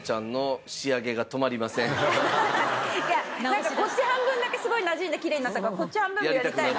そしてこっち半分だけすごいなじんできれいになったからこっち半分もやりたいなと。